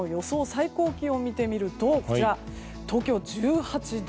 最高気温を見てみると東京、１８度。